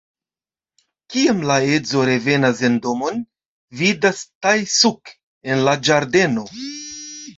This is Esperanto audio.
Kiam la edzo revenas en domon, vidas Tae-Suk en la ĝardeno.